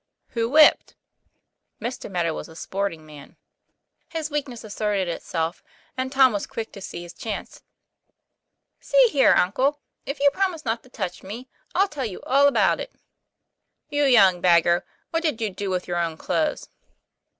" Who whipped ?" Mr. Meadow was a sporting man; his weakness 156 TOM PLA YFAIR. asserted itself, and Tom was quick to see his chance. " See here, uncle, if you promise not to touch me, I'll tell you all about it." " You young beggar, what did you do with your own clothes